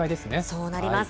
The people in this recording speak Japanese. そうなります。